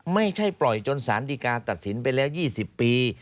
ไม่ใช่ปล่อยจนสารดีการตัดสินไปแล้ว๒๐ปี